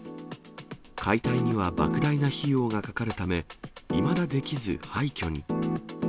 解体にはばく大な費用がかかるため、いまだできず、廃虚に。